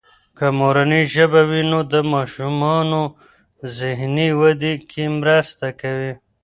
که مورنۍ ژبه وي، نو د ماشومانو ذهني ودې کې مرسته کوي.